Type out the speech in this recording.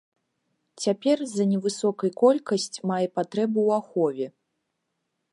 Цяпер з-за невысокай колькасць мае патрэбу ў ахове.